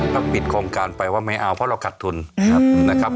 ต้องปิดโครงการไปว่าไม่เอาเพราะเราขัดทุนนะครับ